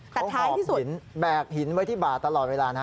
เขาหอบหินแบกหินไว้ที่บ่าตลอดเวลานะ